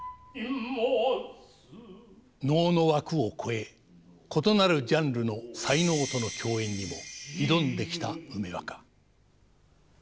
能の枠を越え異なるジャンルの才能との共演にも挑んできた梅若。